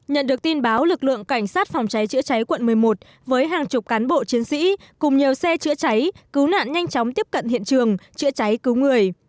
nhận được tin báo lực lượng cảnh sát phòng cháy chữa cháy quận một mươi một với hàng chục cán bộ chiến sĩ cùng nhiều xe chữa cháy cứu nạn nhanh chóng tiếp cận hiện trường chữa cháy cứu người